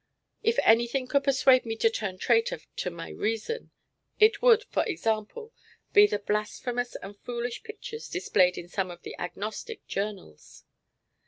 If anything could persuade me to turn traitor to my reason, it would, for example, be the blasphemous and foolish pictures displayed in some of the agnostic journals.